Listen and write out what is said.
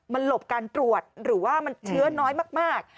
มันหลบการตรวจหรือว่ามันเชื้อน้อยมาก